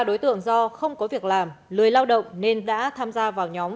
ba đối tượng do không có việc làm lười lao động nên đã tham gia vào nhóm